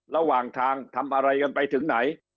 ระหว่างทางทำอะไรกันไปถึงไหน